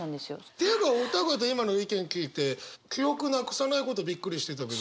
っていうかお二方今の意見聞いて記憶なくさないことびっくりしてたけど。